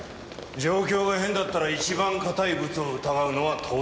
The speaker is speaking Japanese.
状況が変だったら一番固いブツを疑うのは当然だ。